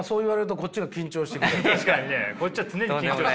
こっちは常に緊張してるから。